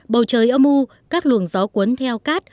bầu trời âm u các luồng gió cuốn theo cát